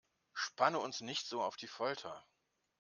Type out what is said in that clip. Spanne uns nicht so auf die Folter!